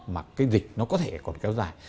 mà cái dịch nó có thể còn kéo dài